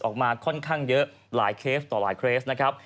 ออกมาค่อนข้างเยอะหลายเคสต่อหลายเคสนะครับ